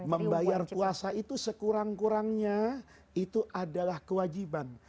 membayar puasa itu sekurang kurangnya itu adalah kewajiban